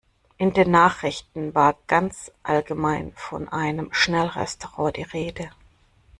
In den Nachrichten war ganz allgemein von einem Schnellrestaurant die Rede.